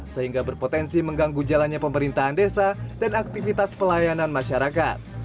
sehingga berpotensi mengganggu jalannya pemerintahan desa dan aktivitas pelayanan masyarakat